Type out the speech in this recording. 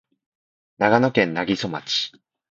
長野県南木曽町